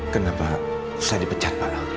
kenapa saya dipecat pak